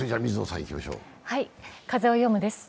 「風をよむ」です。